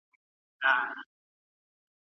که موږ یو بل ته غوږ سو نو شخړي کمیږي.